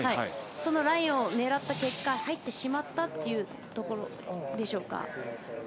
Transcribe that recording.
そのラインを狙った結果入ってしまったというところでしょうか。